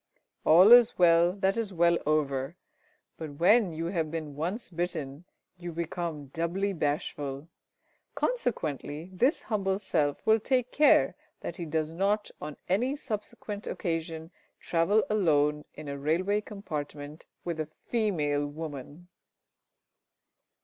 All is well that is well over, but when you have been once bitten, you become doubly bashful. Consequently, this humble self will take care that he does not on any subsequent occasion travel alone in a railway compartment with a female woman.